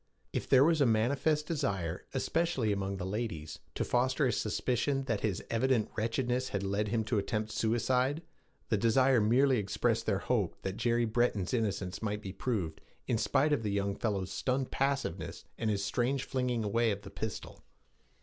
If there was a manifest desire, especially among the ladies, to foster a suspicion that his evident wretchedness had led him to attempt suicide, the desire merely expressed their hope that Jerry Breton's innocence might be proved, in spite of the young fellow's stunned passiveness and his strange flinging away of the pistol.